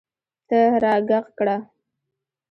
ته راږغ کړه